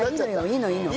いいのいいの。